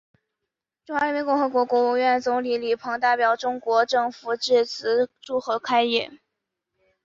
中华人民共和国国务院总理李鹏代表中国政府致词祝贺开业。